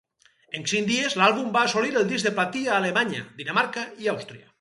En cinc dies, l'àlbum va assolir el disc de platí a Alemanya, Dinamarca i Àustria.